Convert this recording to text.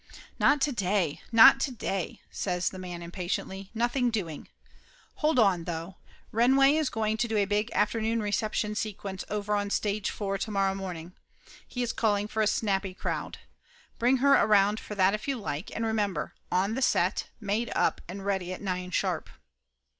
"Not to day, not to day!" says the man impatiently. "Nothing doing ! Hold on, though. Renway is going to do a big afternoon reception sequence over on stage four to morrow morning. He is calling for a snappy crowd. Bring her around for that if you like, and remember on the set, made up and ready at nine sharp!"